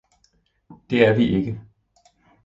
Det er vi ikke!